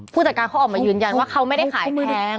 ผู้จัดการเขาออกมายืนยันว่าเขาไม่ได้ขายแพง